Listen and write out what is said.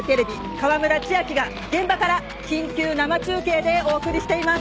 川村千秋が現場から緊急生中継でお送りしています。